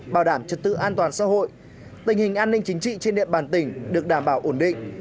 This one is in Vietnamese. bảo đảm trật tự an toàn xã hội tình hình an ninh chính trị trên địa bàn tỉnh được đảm bảo ổn định